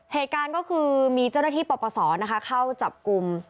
เหตุการณ์ก็คือมีเจ้าหน้าที่ปปศเข้าจับกลุ่ม